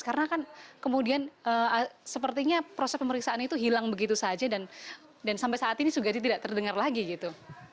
karena kan kemudian sepertinya proses pemeriksaan itu hilang begitu saja dan sampai saat ini sudah tidak terdengar lagi gitu